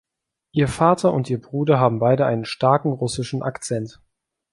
Ihr Vater und ihr Bruder haben beide einen starken russischen Akzent.